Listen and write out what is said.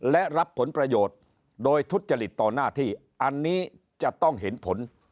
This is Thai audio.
และรับผลประโยชน์โดยทุจริตต่อหน้าที่อันนี้จะต้องเห็นผล